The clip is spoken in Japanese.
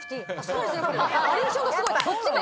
「バリエーションがすごい」って。